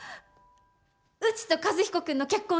うちと和彦君の結婚